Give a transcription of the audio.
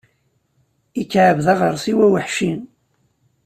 Ikɛeb d aɣersiw aweḥci.